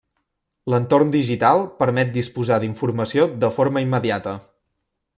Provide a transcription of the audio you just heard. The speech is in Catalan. L'entorn digital permet disposar d'informació de forma immediata.